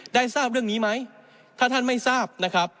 ทราบเรื่องนี้ไหมถ้าท่านไม่ทราบนะครับ